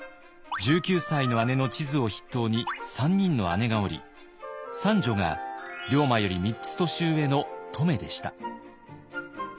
１９歳の姉の千鶴を筆頭に３人の姉がおり三女が龍馬より３つ年上の乙女でした。